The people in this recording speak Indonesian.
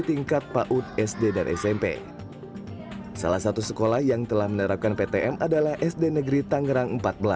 tingkat paud sd dan smp salah satu sekolah yang telah menerapkan ptm adalah sd negeri tangerang empat belas